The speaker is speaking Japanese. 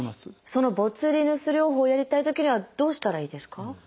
そのボツリヌス療法をやりたいときにはどうしたらいいですか？